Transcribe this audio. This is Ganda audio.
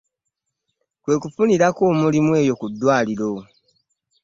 Kwe kufunirako omulimu eyo ku ddwaaliro.